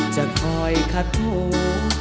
จะคอยคัดถูก